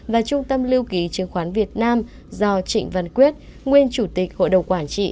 và trung tâm lưu ký chứng khoán việt nam do trịnh văn quyết nguyên chủ tịch hội đồng quản trị